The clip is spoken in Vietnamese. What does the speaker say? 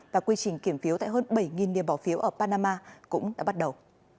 và quy trình kiểm phiếu tại hơn bảy điểm bỏ phiếu ở panama cũng đã bắt đầu